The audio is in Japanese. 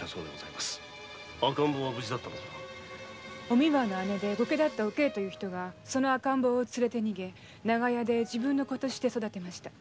お三輪の姉のお桂という人がその赤ん坊を連れて逃げ長屋で自分の子として育てました。